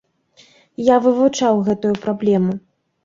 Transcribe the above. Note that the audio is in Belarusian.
Я вывучаў гэтую праблему.